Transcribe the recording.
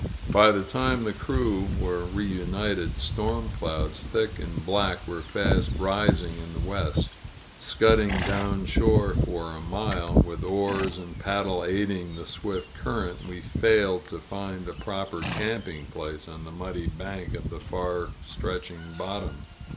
By the time the crew were reunited, storm clouds, thick and black, were fast rising in the west. Scudding down shore for a mile, with oars and paddle aiding the swift current, we failed to find a proper camping place on the muddy bank of the far stretching bottom.